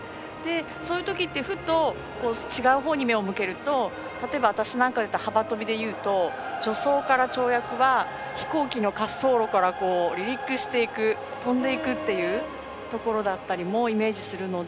そういうときってふと違うほうに目を向けると例えば、私なんかでいうと幅跳びでいうと助走から跳躍は飛行機の滑走路から離陸していく飛んでいくというところをイメージするので。